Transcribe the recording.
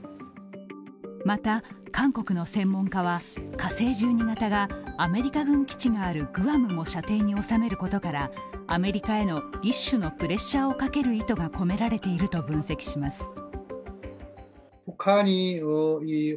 また韓国の専門家は、火星１２型がアメリカ軍基地があるグアムも射程に収めることからアメリカへの一種のプレッシャーをかける意図が込められていると分析します。